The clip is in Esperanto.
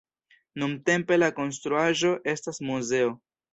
Nuntempe la konstruaĵo estas muzeo.